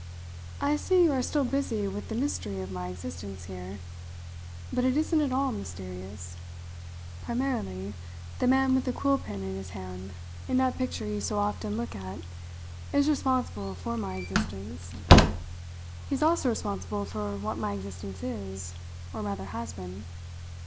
I see you are still busy with the mystery of my existence here; but it isn't at all mysterious. Primarily the man with the quill pen in his hand in that picture you so often look at is responsible for my existence. He is also responsible for what my existence is, or rather has been.